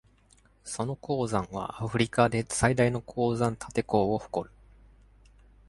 その鉱山はアフリカで最大の鉱山立て杭を誇る。